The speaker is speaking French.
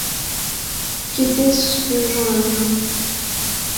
Qu’était-ce que Jean Valjean?